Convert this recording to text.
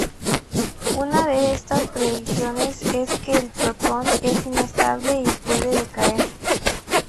Una de estas predicciones es que el protón es inestable y puede decaer.